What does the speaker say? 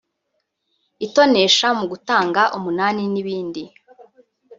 itonesha mu gutanga umunani n’ibindi